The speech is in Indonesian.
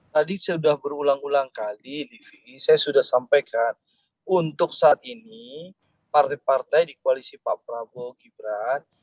tadi sudah berulang ulang kali di sini saya sudah sampaikan untuk saat ini partai partai di koalisi pak prabowo gibran